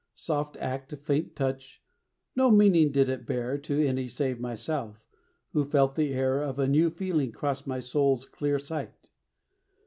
Soft act, faint touch, no meaning did it bear To any save myself, who felt the air Of a new feeling cross my soul's clear sight.